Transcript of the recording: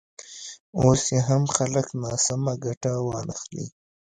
اوس یې هم خلک ناسمه ګټه وانخلي.